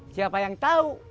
siapa yang tahu